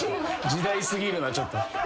時代すぎるなちょっと。